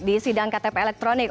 di sidang ktp elektronik